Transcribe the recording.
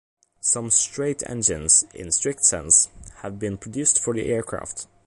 Some straight engines, in the strict sense, have been produced for aircraft.